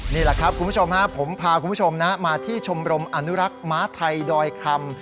นี่แหละครับคุณผู้ชมผมพาคุณผู้ชมนะมาที่ชมรมอนุรักษ์ม้าไทยดอยคำ